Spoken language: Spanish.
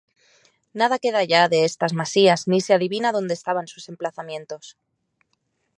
Nada queda ya de estas Masías ni se adivina donde estaban sus emplazamientos.